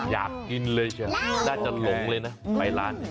อยากกินเลยใช่ไหมน่าจะหลงเลยนะไปร้านนี้